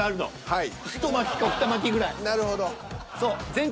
はい。